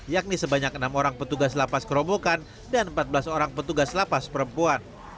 yakni sebanyak enam orang petugas lapas kerobokan dan empat belas orang petugas lapas perempuan